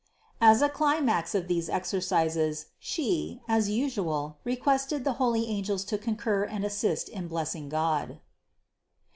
As a climax of these exercises, She, as usual, requested the holy angels to concur and assist in blessing God.